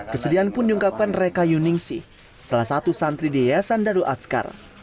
kesedihan pun diungkapkan reka yuningsih salah satu santri di yayasan dadul adzkar